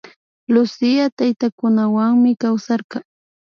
Lucía taytakunawanmi kawsarka